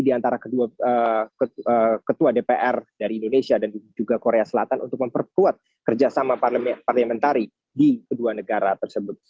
di antara ketua dpr dari indonesia dan juga korea selatan untuk memperkuat kerjasama parliamentary di kedua negara tersebut